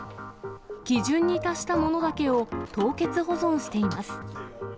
基準に達したものだけを凍結保存しています。